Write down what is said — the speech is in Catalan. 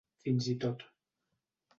Fins i tot.